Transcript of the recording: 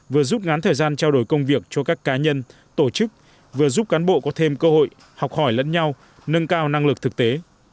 vừa giúp ngán thời gian trao đổi công việc cho các cá nhân tổ chức nâng cao năng lực thực tế